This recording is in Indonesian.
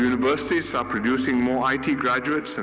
universitas kita memproduksi lebih banyak pelajar it